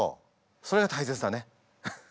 それは大切だね。